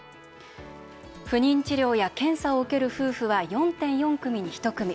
不妊治療や検査を受ける夫婦は４．４組に１組。